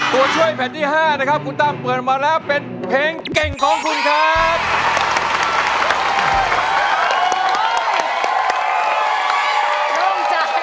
ตัวช่วยแผ่นที่๕นะครับคุณตั้มเปิดมาแล้วเป็นเพลงเก่งของคุณครับ